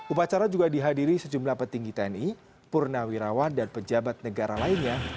upacara juga dihadiri sejumlah petinggi tni purnawirawan dan pejabat negara lainnya